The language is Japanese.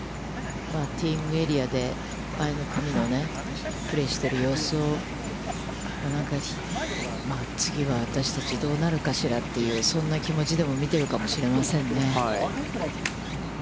ティーイングエリアで、前の組のプレーしている様子を、なんか、次は私たちどうなるかしらっていう、そんな気持ちでも見ているかもしれませんね。